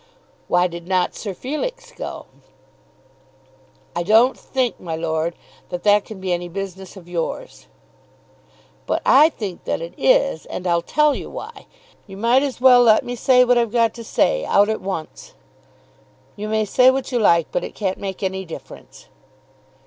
"Why did not Sir Felix go?" "I don't think, my lord, that that can be any business of yours." "But I think that it is, and I'll tell you why. You might as well let me say what I've got to say, out at once." "You may say what you like, but it can't make any difference."